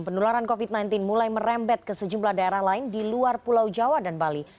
penularan covid sembilan belas mulai merembet ke sejumlah daerah lain di luar pulau jawa dan bali